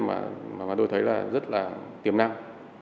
mà tôi thấy là rất là tiềm năng